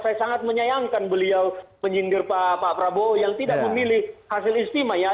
saya sangat menyayangkan beliau menyindir pak prabowo yang tidak memilih hasil istimewa ya